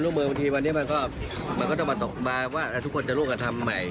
คนร่วมเมืองทีวันนี้มันก็จะมาตกแบบว่าทุกคนจะร่วมกันทำใหม่